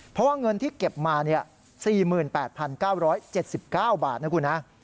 เพราะว่าเงินที่เก็บมา๔๘๙๗๙บาทนะคุณนะ